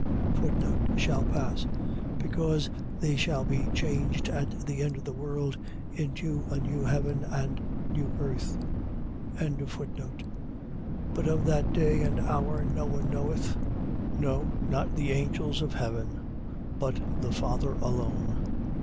Shall pass. . .Because they shall be changed at the end of the world into a new heaven and new earth. 24:36. But of that day and hour no one knoweth: no, not the angels of heaven, but the Father alone.